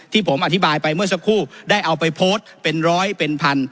ที่ผมอธิบายไปเมื่อสักครู่ได้เอาไปโพสต์เป็นร้อยเป็นพัน